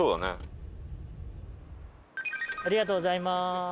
ありがとうございます。